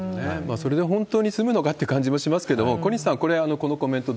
それで本当に済むのかって感じもしますけれども、小西さん、これ、このコメント、私、